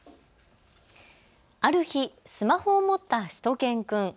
ある日、スマホを持ったしゅと犬くん。